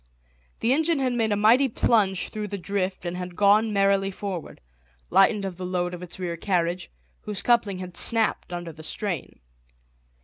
The engine had made a mighty plunge through the drift and had gone merrily forward, lightened of the load of its rear carriage, whose coupling had snapped under the strain.